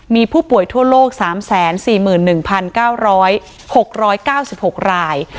มีผู้ป่วยทั่วโลก๓๔๑๙๐๖๙๖ราย